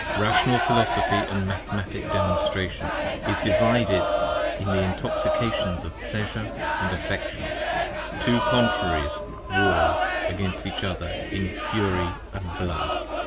Rational Philosophy and Mathematic Demonstration Is divided in the intoxications of pleasure & affection : 15 Two Contraries War against each other in fury & blood.